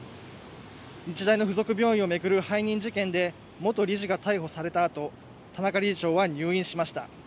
日大の付属病院を巡る背任事件で元理事が逮捕されたあと田中理事長は入院しました。